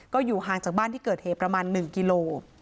ก็อยู่ห่างจากบ้านที่เกิดเหตุประมาณ๑กิโล